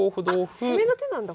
あ攻めの手なんだこれ。